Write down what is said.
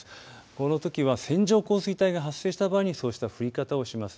このときや線状降水帯が発生した場合にそういった降り方をします。